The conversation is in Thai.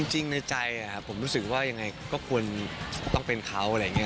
จริงในใจผมรู้สึกว่ายังไงก็ควรต้องเป็นเขาอะไรอย่างนี้